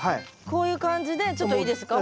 こういう感じでちょっといいですか？